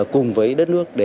cùng với đất nước để